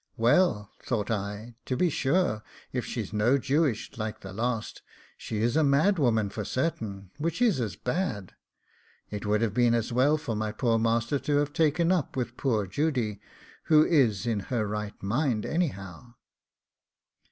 Well, thought I, to be sure, if she's no Jewish, like the last, she is a mad woman for certain, which is as bad: it would have been as well for my poor master to have taken up with poor Judy, who is in her right mind anyhow.